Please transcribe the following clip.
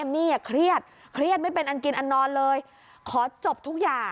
นี่ภาพนี้ค่ะ